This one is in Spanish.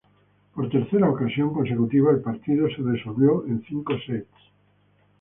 Por tercera ocasión consecutiva el partido se resolvió en cinco sets.